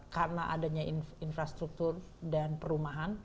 karena adanya infrastruktur dan perumahan